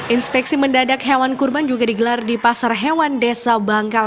inspeksi mendadak hewan kurban juga digelar di pasar hewan desa bangkal